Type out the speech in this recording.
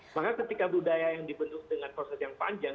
maka ketika budaya yang dibendung dengan proses yang panjang